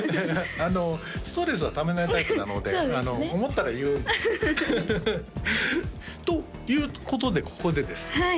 あのストレスはためないタイプなので思ったら言うんですということでここでですね